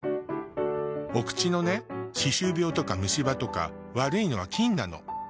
お口のね歯周病とか虫歯とか悪いのは菌なの。